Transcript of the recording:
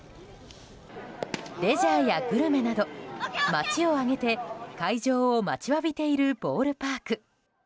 レジャーやグルメなど街を挙げて開場を待ちわびているボールパーク。